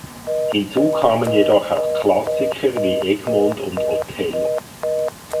Hinzu kamen jedoch auch Klassiker wie Egmont und Othello.